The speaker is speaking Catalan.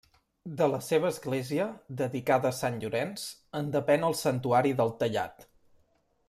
De la seva església, dedicada a Sant Llorenç, en depèn el Santuari del Tallat.